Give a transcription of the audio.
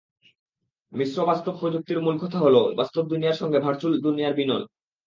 মিশ্র বাস্তব প্রযুক্তির মূলকথা হলো বাস্তব দুনিয়ার সঙ্গে ভার্চ্যুয়াল দুনিয়ার মিলন।